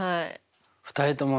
２人ともね